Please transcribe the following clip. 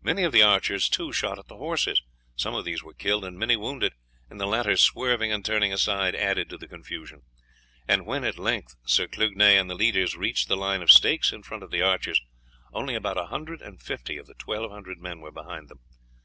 Many of the archers, too, shot at the horses; some of these were killed and many wounded, and the latter swerving and turning aside added to the confusion. And when at length Sir Clugnet and the leaders reached the line of stakes in front of the archers, only about a hundred and fifty of the twelve hundred men were behind them.